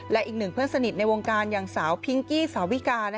และอีกหนึ่งเพื่อนสนิทในวงการอย่างสาวพิงกี้สาวิกา